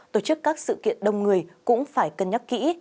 tổ chức các sự kiện đông người cũng phải cân nhắc kỹ